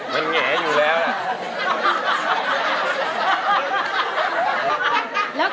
มันแหงอยู่แล้วล่ะ